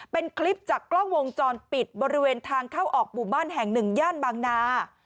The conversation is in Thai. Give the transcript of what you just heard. เป็นคลิปจากกล้องวงจรปิดบริเวณทางเข้าออกหมู่บ้านแห่งหนึ่งย่านบางนา